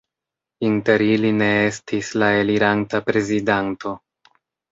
Inter ili ne estis la eliranta prezidanto.